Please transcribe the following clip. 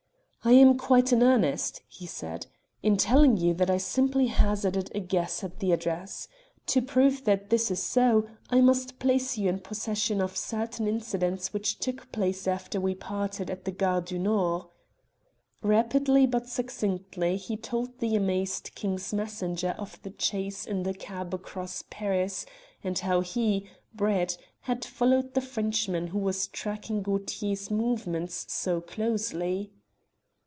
"I am quite in earnest," he said, "in telling you that I simply hazarded a guess at the address. To prove that this is so, I must place you in possession of certain incidents which took place after we parted at the Gare du Nord." Rapidly but succinctly he told the amazed King's messenger of the chase in the cab across Paris, and how he (Brett) had followed the Frenchman who was tracking Gaultier's movements so closely.